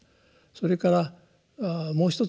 それからもう一つ。